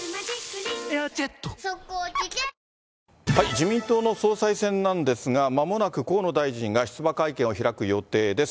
自民党の総裁選なんですが、まもなく河野大臣が出馬会見を開く予定です。